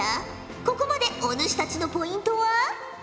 ここまでお主たちのポイントは。